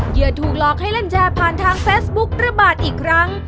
เหยื่อถูกหลอกให้เล่นแชร์ผ่านทางเฟซบุ๊กระบาดอีกครั้ง